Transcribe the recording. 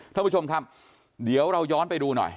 ท่านผู้ชมครับเดี๋ยวเราย้อนไปดูหน่อย